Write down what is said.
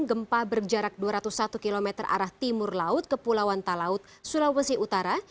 gempa berjarak dua ratus satu km arah timur laut ke pulauan talaud sulawesi utara